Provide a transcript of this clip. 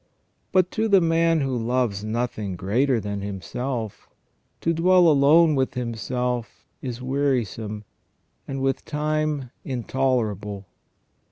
But to the man who loves nothing greater than himself, to dwell alone with himself is wearisome, and with time intolerable.